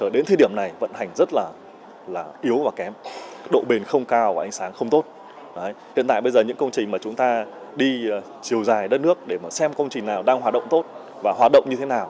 để mà xem công trình nào đang hoạt động tốt và hoạt động như thế nào